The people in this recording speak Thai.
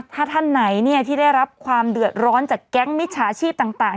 ถ้าท่านไหนที่ได้รับความเดือดร้อนจากแก๊งมิจฉาชีพต่าง